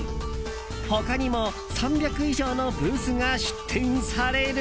他にも３００以上のブースが出店される。